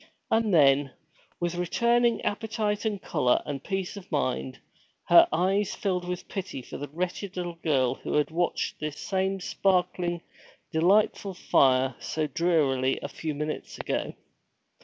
And then, with returning appetite and color and peace of mind, her eyes filled with pity for the wretched little girl who had watched this same sparkling, delightful fire so drearily a few minutes ago.